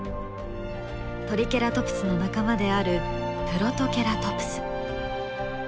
トリケラトプスの仲間であるプロトケラトプス。